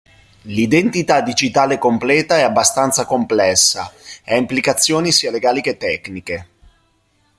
L'identità digitale completa è abbastanza complessa e ha implicazioni sia legali che tecniche.